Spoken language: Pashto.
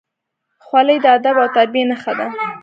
خولۍ د ادب او تربیې نښه ده.